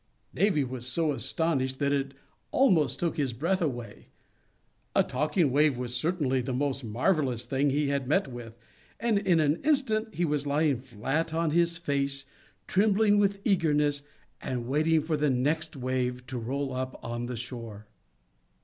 Davy was so astonished that it almost took away his breath. A talking Wave was certainly the most marvellous thing he had met with, and in an instant he was lying flat on his face, trembling with eagerness, and waiting for the next Wave to roll up on the shore.